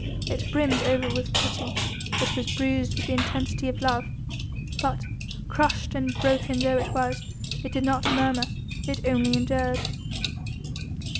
It brimmed over with pity, it was bruised with the intensity of love: but, crushed and broken though it was, it did not murmur, it only endured.